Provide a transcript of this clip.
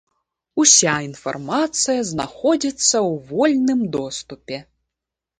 Уся інфармацыя знаходзіцца ў вольным доступе.